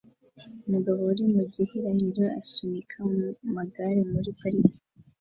Umugabo uri mu gihirahiro asunika amagare muri parike